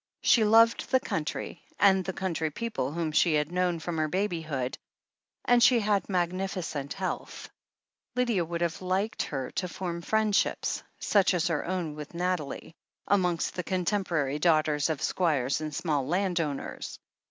She loved the country and the country people whom she had known from her baby hood, and she had magnificent health. Lydia would have liked her to form friendships — such as her own with Nathalie — amongst the contem porary daughters of squires and small landowners.